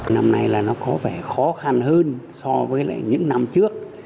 năm nay là nó có vẻ khó khăn hơn so với lại những năm trước